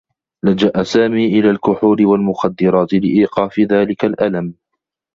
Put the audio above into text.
لجأ سامي إلى الكحول و المخدّرات لإيقاف ذلك الألم.